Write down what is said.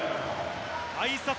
あいさつ